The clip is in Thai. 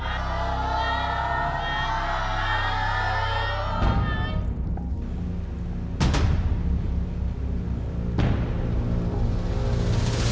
ฮาวะละพร้อม